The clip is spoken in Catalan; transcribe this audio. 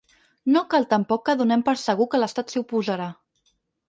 No cal tampoc que donem per segur que l’estat s’hi oposarà.